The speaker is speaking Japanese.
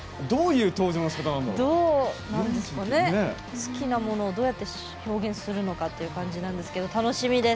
好きなものをどうやって表現するのかという感じなんですけど楽しみです！